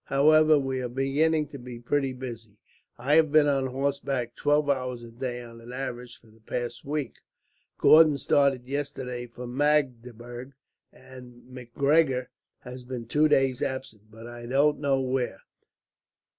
However, we are beginning to be pretty busy. I have been on horseback, twelve hours a day on an average, for the past week. Gordon started yesterday for Magdeburg, and Macgregor has been two days absent, but I don't know where.